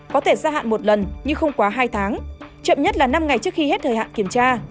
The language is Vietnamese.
có thể gia hạn một lần nhưng không quá hai tháng chậm nhất là năm ngày trước khi hết thời hạn kiểm tra